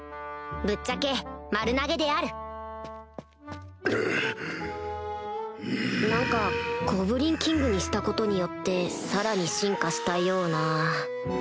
ぶっちゃけ丸投げである何かゴブリン・キングにしたことによってさらに進化したような